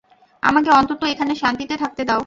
আমাকে অন্তত এখানে শান্তিতে থাকতে দাও।